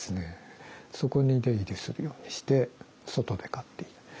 そこに出入りするようにして外で飼っていた。